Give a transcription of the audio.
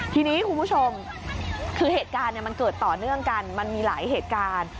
ทีนี้คุณผู้ชมคือเหตุการณ์มันเกิดต่อเนื่องกันมันมีหลายเหตุการณ์